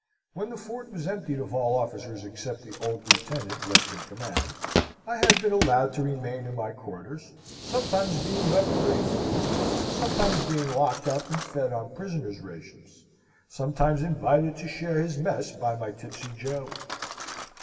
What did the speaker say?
When the fort was emptied of all officers except the old lieutenant left in command, I had been allowed to remain in my quarters, sometimes being left pretty free, sometimes being locked up and fed on prisoners' rations, sometimes invited to share his mess by my tipsy gaoler.